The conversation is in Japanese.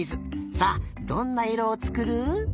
さあどんないろをつくる？